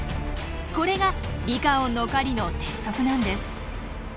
これがリカオンの狩りの鉄則なんです。